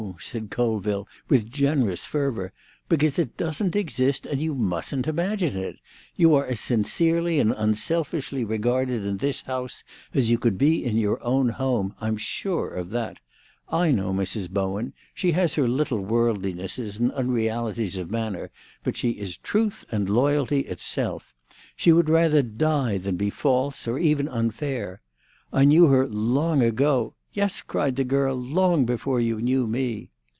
said Colville, with generous fervour. "Because it doesn't exist and you mustn't imagine it. You are as sincerely and unselfishly regarded in this house as you could be in your own home. I'm sure of that. I know Mrs. Bowen. She has her little worldlinesses and unrealities of manner, but she is truth and loyalty itself. She would rather die than be false, or even unfair. I knew her long ago—" "Yes," cried the girl, "long before you knew me!"